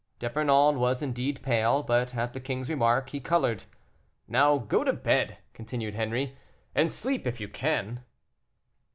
D'Epernon was indeed pale, but at the king's remark he colored. "Now go to bed," continued Henri, "and sleep if you can."